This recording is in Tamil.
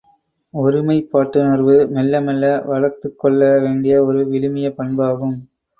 ஒருமைப்பாட்டுணர்வு மெல்ல மெல்ல வளர்த்துக் கொள்ள வேண்டிய ஒரு விழுமிய பண்பாகும்.